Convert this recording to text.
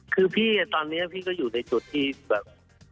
คือพี่ตอนนี้พี่ก็อยู่ในจุดที่แบบ